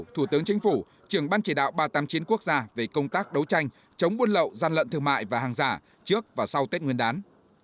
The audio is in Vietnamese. thủ tướng chính phủ trưởng ban chỉ đạo ba trăm tám mươi chín quốc gia về công tác đấu tranh chống buôn lậu gian lận thương mại và hàng giả trước và sau tết nguyên đán